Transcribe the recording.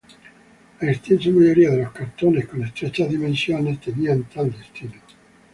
La extensa mayoría de los cartones con estrechas dimensiones tenían tal destino.